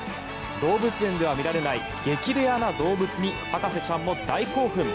動物園では見られない激レアな動物に博士ちゃんも大興奮！